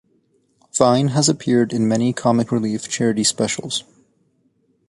Vine has appeared in many Comic Relief charity specials.